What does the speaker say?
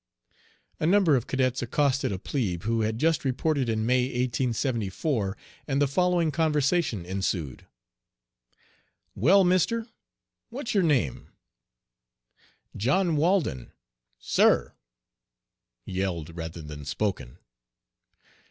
'" A number of cadets accosted a plebe, who had just reported in May, 1874, and the following conversation ensued: "Well, mister, what's your name?" "John Walden." "Sir!" yelled rather than spoken.